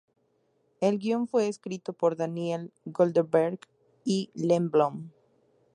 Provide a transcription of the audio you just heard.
El guion fue escrito por Daniel Goldberg y Len Blum.